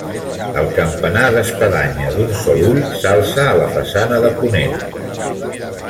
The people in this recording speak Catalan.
El campanar d'espadanya d'un sol ull s'alça a la façana de ponent.